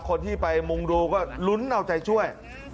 คนที่ไปมุงดูก็ลุ้นเอาใจช่วย